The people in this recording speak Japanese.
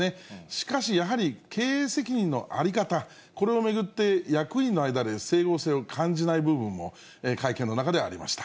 しかし、やはり経営責任の在り方、これを巡って、役員の間で整合性を感じないという部分も会見の中ではありました。